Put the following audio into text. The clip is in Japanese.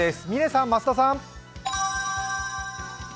嶺さん、増田さん。